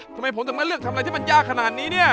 ทำไมผมถึงมาเลือกทำอะไรที่มันยากขนาดนี้เนี่ย